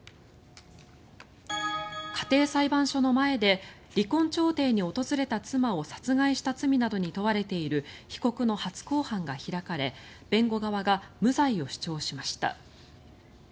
家庭裁判所の前で離婚調停に訪れた妻を殺害した罪などに問われている被告の初公判が開かれ弁護側が無罪を主張しました。